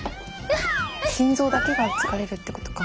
心臓だけが疲れるってことか。